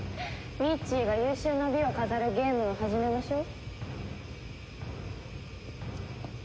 ミッチーが有終の美を飾るゲームを始めましょう。